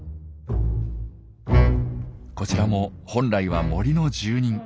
こちらも本来は森の住人。